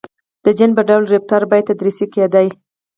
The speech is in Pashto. • د جن په ډول رفتار باید تدریس کېدای.